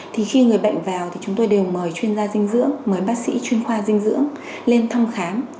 thì khi người bệnh vào thì chúng tôi đều mời chuyên gia dinh dưỡng mời bác sĩ chuyên khoa dinh dưỡng lên thăm khám